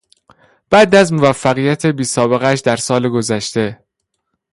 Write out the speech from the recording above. بعد از موفقیت بی سابقه اش در سال گذشته